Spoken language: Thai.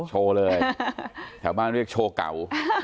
โชว์เลยแถวบ้านเรียกโชว์เก่า